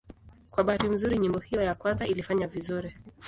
Kwa bahati nzuri nyimbo hiyo ya kwanza ilifanya vizuri.